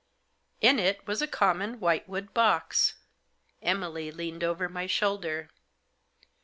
In it was a common white wood box. Emily leaned over my shoulder.